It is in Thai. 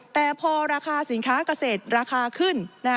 แต่พอราคาสินค้าเกษตรราคาขึ้น